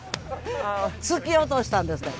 突き落としたんですって。